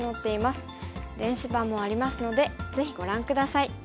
電子版もありますのでぜひご覧下さい。